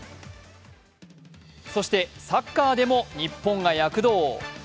そしてサッカーでも日本が躍動。